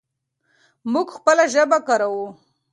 موږ خپله ژبه کاروو.